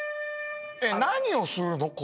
何をするの？